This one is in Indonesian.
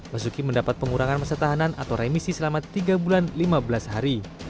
basuki mendapat pengurangan masa tahanan atau remisi selama tiga bulan lima belas hari